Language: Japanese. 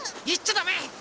いっちゃダメ！